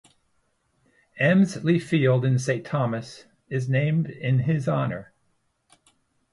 Emslie Field in Saint Thomas is named in his honor.